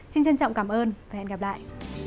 xin trân trọng cảm ơn và hẹn gặp lại